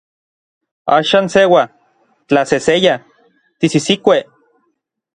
Axan seua, tlaseseya, tisisikuej.